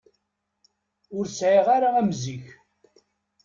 Ur sεiɣ ara am zik.